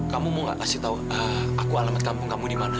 kamu mau kasih tahu aku alamat kampung kamu di mana